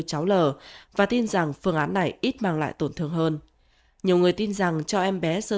cháu l và tin rằng phương án này ít mang lại tổn thương hơn nhiều người tin rằng cho em bé sơ